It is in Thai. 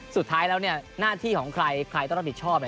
สุดท้ายแล้วหน้าที่ของใครใครต้องรับผิดชอบ